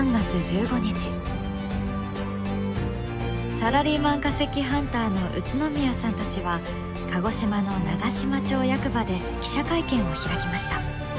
サラリーマン化石ハンターの宇都宮さんたちは鹿児島の長島町役場で記者会見を開きました。